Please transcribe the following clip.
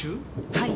はい。